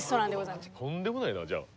とんでもないなじゃあ。